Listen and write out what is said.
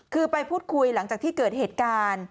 คือไปพูดคุยหลังจากที่เกิดเหตุการณ์